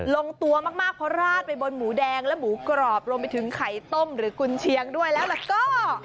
ลงตัวมากเพราะราดไปบนหมูแดงและหมูกรอบรวมไปถึงไข่ต้มหรือกุญเชียงด้วยแล้วก็